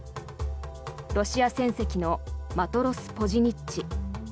ロシア船籍の「マトロス・ポジニッチ」。